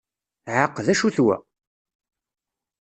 Ɛaq, D acu d wa?